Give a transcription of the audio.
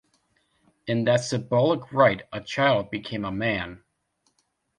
In that symbolic rite a child became a man.